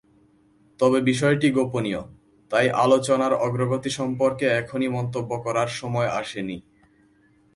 তবে বিষয়টি গোপনীয়, তাই আলোচনার অগ্রগতি সম্পর্কে এখনই মন্তব্য করার সময় আসেনি।